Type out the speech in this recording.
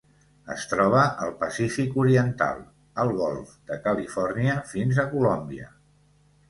Es troba al Pacífic oriental: el golf de Califòrnia fins a Colòmbia.